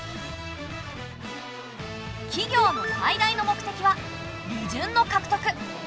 企業の最大の目的は利潤の獲得。